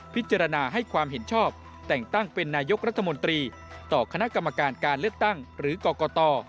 พิจารณาให้ความเห็นชอบแต่งตั้งเป็นนายกรัฐมนตรีต่อคณะกรรมการการเลือกตั้งหรือกรกต